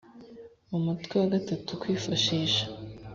umutwe wa gatatu kwifashisha